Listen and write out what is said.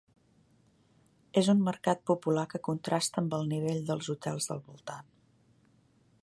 És un mercat popular que contrasta amb el nivell dels hotels del voltant.